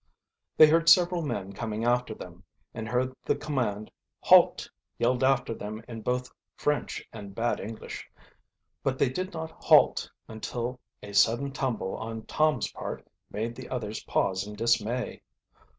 They heard several men coming after them, and heard the command "Halt!" yelled after them in both French and bad English. But they did not halt until a sudden tumble on Tom's part made the others pause in dismay.